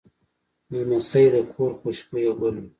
لمسی د کور خوشبویه ګل وي.